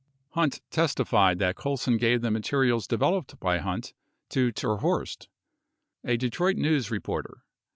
21 Hunt testified that Colson gave the materials developed by Hunt to terHorst, a Detroit News reporter.